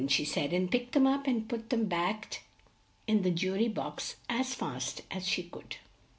she said, and picked them up and put them backed in the ju ry box as fast as she could.